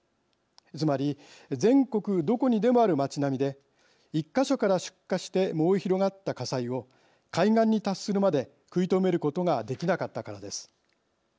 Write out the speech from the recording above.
つまり全国どこにでもある街並みで１か所から出火して燃え広がった火災を海岸に達するまで食い止めることができなかったからです。